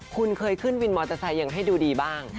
คุณเคยขึ้นวินมอเตอร์ไซค์ยังให้ดูดีบ้าง